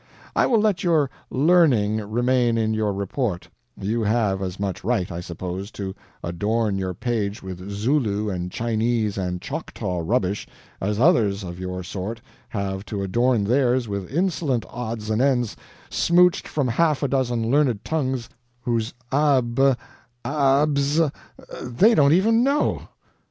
I will let your 'learning' remain in your report; you have as much right, I suppose, to 'adorn your page' with Zulu and Chinese and Choctaw rubbish as others of your sort have to adorn theirs with insolent odds and ends smouched from half a dozen learned tongues whose A B ABS they don't even know."